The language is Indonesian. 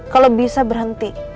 kalau bisa berhenti